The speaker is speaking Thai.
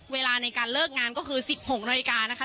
เวลาในการเลิกงานก็คือ๑๖นาฬิกานะคะ